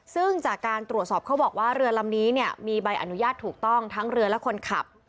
ซึ่งจากการตรวจสอบเขาบอกว่าเรือลำนี้เนี่ยมีใบอนุญาตถูกต้องทั้งเรือและคนขับ